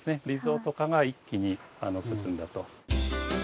リゾート化が一気に進んだと。